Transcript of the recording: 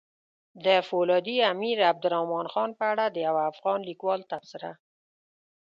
د فولادي امير عبدالرحمن خان په اړه د يو افغان ليکوال تبصره!